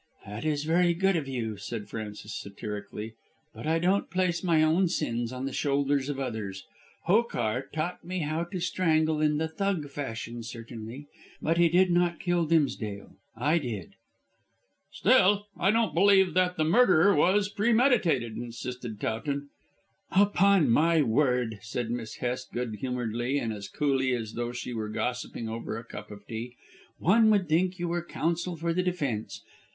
"That is very good of you," said Frances satirically, "but I don't place my own sins on the shoulders of others. Hokar taught me how to strangle in the Thug fashion certainly, but he did not kill Dimsdale. I did." "Still, I don't believe that the murder was premeditated," insisted Towton. "Upon my word," said Miss Hest good humouredly and as coolly as though she were gossiping over a cup of tea, "one would think you were counsel for the defence.